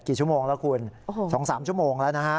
ชั่วโมงแล้วคุณ๒๓ชั่วโมงแล้วนะฮะ